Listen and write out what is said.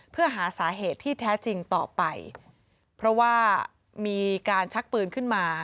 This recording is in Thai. เพื่อหาสาเหตุที่แท้จริงต่อไปเพราะว่ามีการชักปืนขึ้นมา